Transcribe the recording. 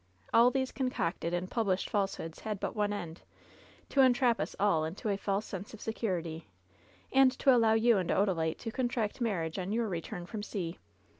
All these concocted and pub lished falsehoods had but one end — to entrap us all into a false sense of security, and to allow you and Odalite to contract marriage on your return from sea.